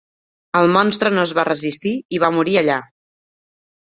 El monstre no es va resistir i va morir allà.